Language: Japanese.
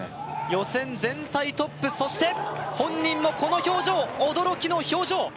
予選全体トップそして本人もこの表情驚きの表情